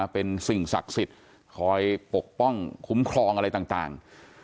เป็นสิ่งศักดิ์สิทธิ์คอยปกป้องคุ้มครองอะไรต่าง